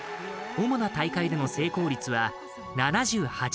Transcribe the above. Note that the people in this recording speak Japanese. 主な大会での成功率は７８％。